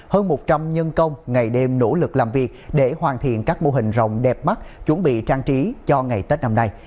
hơn một trăm linh nhân công ngày đêm nỗ lực làm việc để hoàn thiện các mô hình rồng đẹp mắt chuẩn bị trang trí cho ngày tết năm nay